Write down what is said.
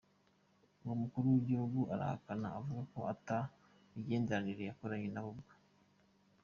Uwo mukuru w'igihugu arahakana avuga ko ata migenderanire yakoranye na bwo.